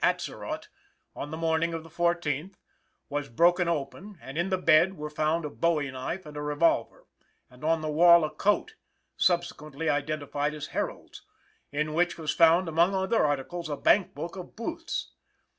Atzerodt on the morning of the fourteenth, was broken open, and in the bed were found a bowie knife and a revolver, and on the wall a coat (subsequently identified as Herold's), in which was found, among other articles, a bank book of Booth's.